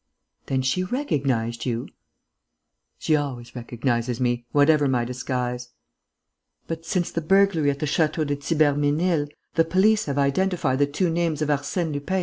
"Then she recognized you?" "She always recognizes me, whatever my disguise." "But since the burglary at the Château de Thibermesnil,[D] the police have identified the two names of Arsène Lupin and Horace Velmont."